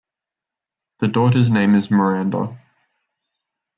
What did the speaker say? The daughter's name is Miranda.